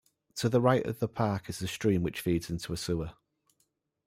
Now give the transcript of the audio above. To the right of the park is a stream which feeds into a sewer.